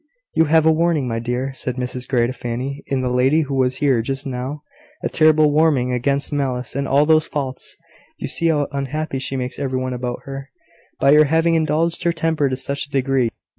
"You have a warning, my dear," said Mrs Grey to Fanny, "in the lady who was here just now a terrible warning against malice and all those faults. You see how unhappy she makes every one about her, by her having indulged her temper to such a degree.